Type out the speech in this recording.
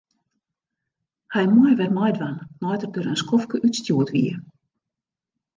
Hy mei wer meidwaan nei't er der in skoftke útstjoerd wie.